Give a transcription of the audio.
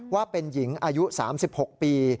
ว่าเป็นหญิงอายุ๓๖ปี